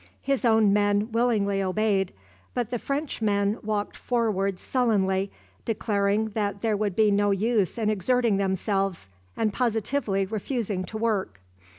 His own men willingly obeyed; but the Frenchmen walked forward sullenly, declaring that there would be no use in exerting themselves, and positively refusing to work.